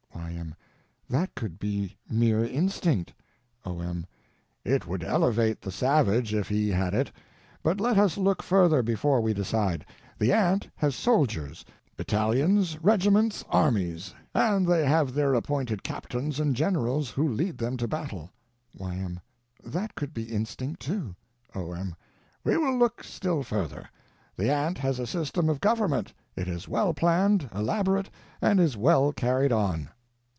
Y.M. That could be mere instinct. O.M. It would elevate the savage if he had it. But let us look further before we decide. The ant has soldiers—battalions, regiments, armies; and they have their appointed captains and generals, who lead them to battle. Y.M. That could be instinct, too. O.M. We will look still further. The ant has a system of government; it is well planned, elaborate, and is well carried on.